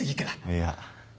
いや。